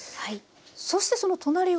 そしてその隣は。